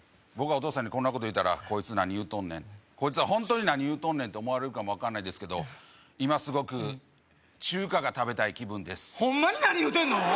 僕がお義父さんにこんなこと言うたらこいつ何言うとんねんこいつはホントに何言うとんねんと思われるかも分かんないですけど今すごく中華が食べたい気分ですホンマに何言うてんの？